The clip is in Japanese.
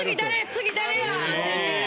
「次誰や？」って言って。